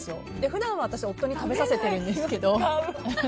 普段は夫に食べさせているんですけど。